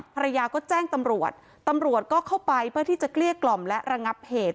ภรรยาก็แจ้งตำรวจตำรวจก็เข้าไปเพื่อที่จะเกลี้ยกล่อมและระงับเหตุ